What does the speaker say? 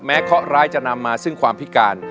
เคาะร้ายจะนำมาซึ่งความพิการ